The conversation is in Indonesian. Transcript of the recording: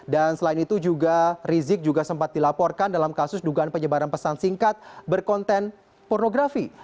dan selain itu juga rizik juga sempat dilaporkan dalam kasus dugaan penyebaran pesan singkat berkonten pornografi